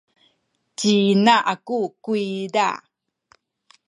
ci ina aku kuyza